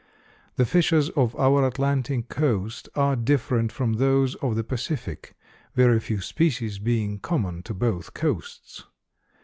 The fishes of our Atlantic coast are different from those of the Pacific, very few species being common to both coasts.